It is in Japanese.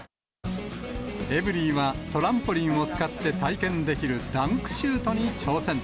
エブリィはトランポリンを使って体験できるダンクシュートに挑戦。